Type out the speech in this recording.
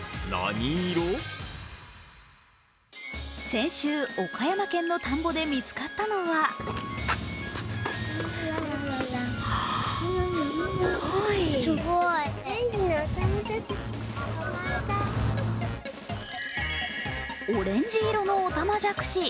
先週、岡山県の田んぼで見つかったのはオレンジ色のオタマジャクシ。